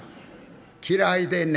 「嫌いでんね